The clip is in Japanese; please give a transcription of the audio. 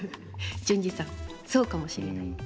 淳二さんそうかもしれない。